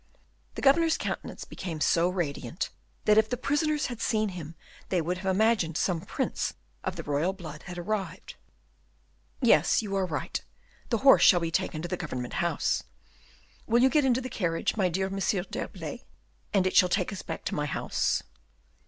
The governor's countenance became so radiant, that if the prisoners had seen him they would have imagined some prince of the royal blood had arrived. "Yes, you are right, the horse shall be taken to the government house. Will you get into the carriage, my dear M. d'Herblay? and it shall take us back to my house."